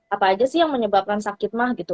apa aja sih yang menyebabkan sakit mah gitu